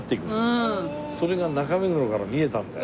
それが中目黒から見えたんだよ。